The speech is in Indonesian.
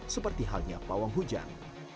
seperti halnya pawang hujan